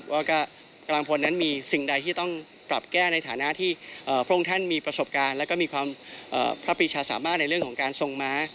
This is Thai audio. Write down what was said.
ว่ากำลังพลนั้นมีสิ่งใดที่ต้องปรับแก้ในฐานะที่พระองค์ท่านมีประสบการณ์แล้วก็มีความพระปีชาสามารถในเรื่องของการทรงม้า